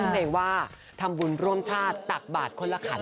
เพลงว่าทำบุญร่วมชาติตักบาทคนละขัน